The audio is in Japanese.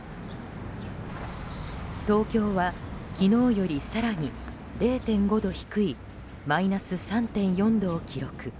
東京は昨日より更に０．５度低いマイナス３．４度を記録。